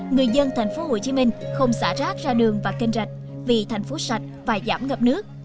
người dân thành phố hồ chí minh không xả rác ra đường và kênh rạch vì thành phố sạch và giảm ngập nước